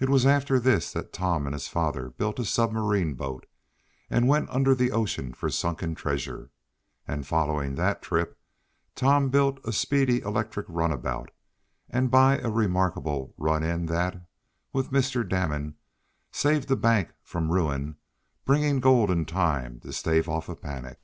It was after this that Tom and his father built a submarine boat, and went under the ocean for sunken treasure, and, following that trip Tom built a speedy electric runabout, and by a remarkable run in that, with Mr. Damon, saved a bank from ruin, bringing gold in time to stave off a panic.